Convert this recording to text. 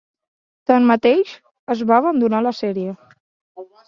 Tanmateix, es va abandonar la sèrie.